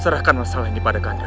serahkan masalah ini pada ganda